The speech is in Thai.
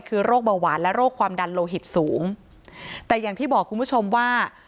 คือโรคเบาหวานและโรคความดันโลหิตสูงแต่อย่างที่บอกคุณผู้ชมว่า